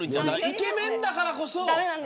イケメンだからこそ。